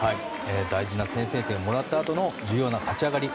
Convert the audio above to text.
大事な先制点をもらったあとの重要な立ち上がり。